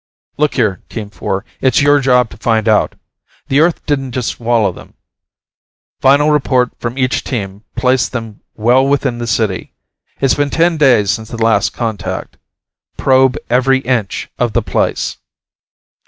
"Look here, Team Four. It's your job to find out. The earth didn't just swallow them. Final report from each team placed them well within the city. It's been ten days since the last contact. Probe every inch of the place."